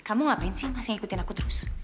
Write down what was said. kamu ngapain sih masih ngikutin aku terus